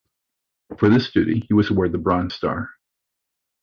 For this duty, he was awarded the Bronze Star.